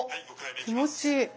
気持ちいい。